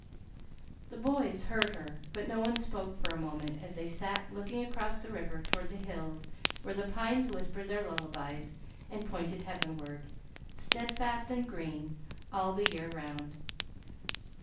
The boys heard her, but no one spoke for a moment as they sat looking across the river toward the hill where the pines whispered their lullabies and pointed heavenward, steadfast and green, all the year round.